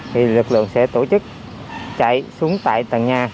thì lực lượng sẽ tổ chức chạy xuống tại tầng nhà